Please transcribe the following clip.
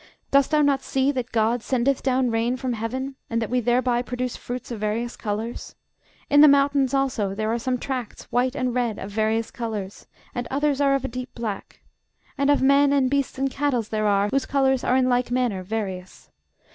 Dost thou not see that GOD sendeth down rain from heaven, and that we thereby produce fruits of various colors? In the mountains also there are some tracts white and red, of various colors; and others are of a deep black: and of men, and beasts, and cattle there are whose colors are in like manner various.